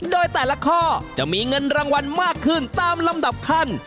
โดยแต่ละข้อจะมีเงินรางวัลมากขึ้นตามลำดับขั้น